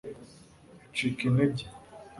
acika intege